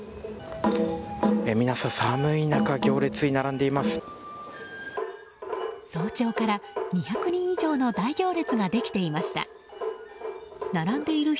皆さん寒い中行列に並んでいます。